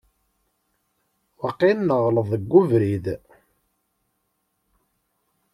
Waqil neɣleḍ deg ubrid.